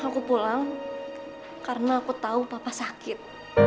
aku pulang karena aku tahu papa sakit